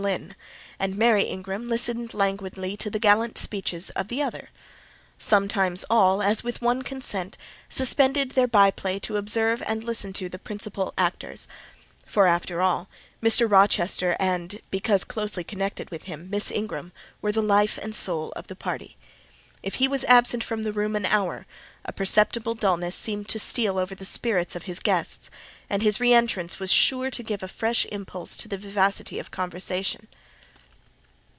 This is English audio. Lynn; and Mary Ingram listened languidly to the gallant speeches of the other. Sometimes all, as with one consent, suspended their by play to observe and listen to the principal actors: for, after all, Mr. Rochester and—because closely connected with him—Miss Ingram were the life and soul of the party. If he was absent from the room an hour, a perceptible dulness seemed to steal over the spirits of his guests; and his re entrance was sure to give a fresh impulse to the vivacity of conversation.